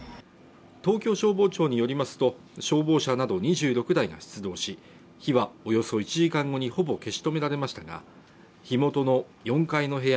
東京消防庁によりますと、消防車など２６台が出動し、火はおよそ１時間後にほぼ消し止められましたが、火元の４階の部屋